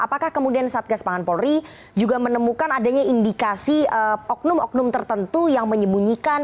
apakah kemudian satgas pangan polri juga menemukan adanya indikasi oknum oknum tertentu yang menyembunyikan